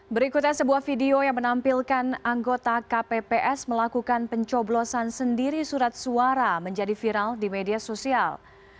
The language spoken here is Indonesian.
berikutnya sebuah video yang menampilkan anggota kpps melakukan pencoblosan sendiri surat suara menjadi viral di media sosial